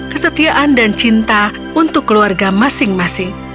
kesetiaan dan cinta untuk keluarga masing masing